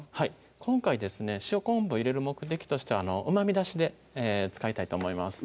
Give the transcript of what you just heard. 今回ですね塩昆布入れる目的としてうまみ出しで使いたいと思います